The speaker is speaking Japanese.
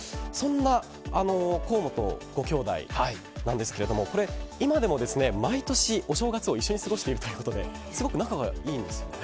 そんな甲本ご兄弟なんですけど今でも毎年、お正月を一緒に過ごしているということですごく仲はいいんですよ。